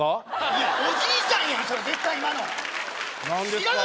いやおじいさんやそれ絶対今の何ですか？